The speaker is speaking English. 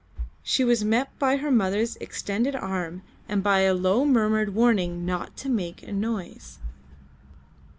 She was met by her mother's extended arm and by a low murmured warning not to make a noise.